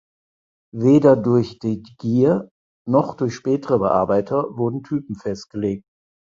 Weder durch de Geer noch durch spätere Bearbeiter wurden Typen festgelegt.